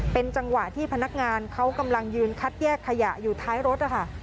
เป็นจังหวะที่พนักงานเขากำลังยืนคัดแยกขยะอยู่ท้ายรถนะคะ